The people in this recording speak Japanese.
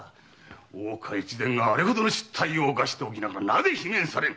大岡越前があれほどの失態を犯しておきながらなぜ罷免されぬ！